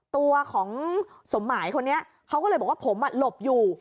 ตัวของสมหมายคนนี้เขาก็เลยบอกว่าผมหลบอยู่